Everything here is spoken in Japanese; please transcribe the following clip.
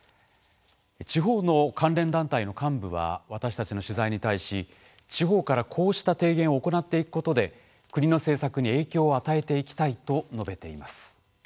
地方の関連団体の幹部は私たちの取材に対し地方から、こうした提言を行っていくことで国の政策に影響を与えていきたいと述べています。